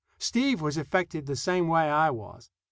Steve was affected the same way I was.